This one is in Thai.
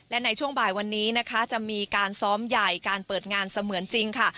และในช่วงบ่ายวันนี้นะคะจะมีการซ้อมใหญ่การเปิดงานเสมือนจริงค่ะ